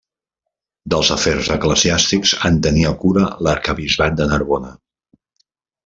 Dels afers eclesiàstics, en tenia cura l'arquebisbat de Narbona.